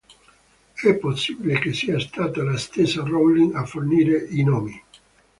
È possibile che sia stata la stessa Rowling a fornire i nomi.